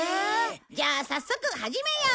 じゃあ早速始めよう。